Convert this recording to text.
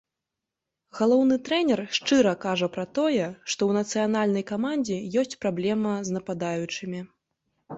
Галоўны трэнер шчыра кажа пра тое, што ў нацыянальнай камандзе ёсць праблема з нападаючымі.